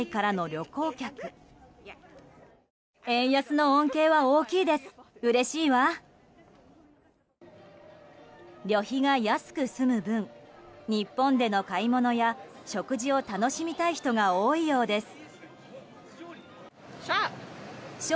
旅費が安く済む分日本での買い物や食事を楽しみたい人が多いようです。